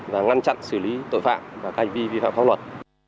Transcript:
và ngăn chặn xử lý tội phạm và canh vi vi phạm pháp luật